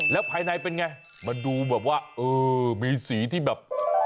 แล้วภายในเป็นไงมันดูแบบว่าเออมีสีที่แบบ